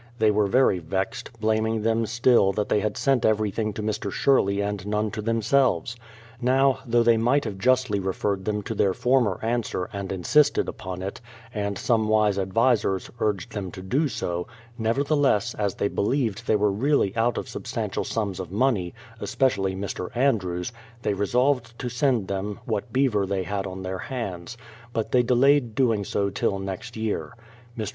They were very vexed, blaming them still that they had sent everything to Mr. Sherley and none to themselves. Now, though they might have justly referred them to their former answer, and insisted upon it. and some 292 BRADFORD'S HISTORY wise advisers urgea them to do so, nevertheless, as they believed they were really out substantial sums of money, especially Mr. Andrews, they resolved to send them what beaver they had on their hands ; but they delayed doing so till next year. Mr.